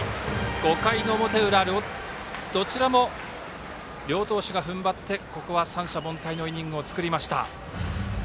５回の表裏、どちらも両投手が踏ん張ってここは三者凡退のイニングを作りました。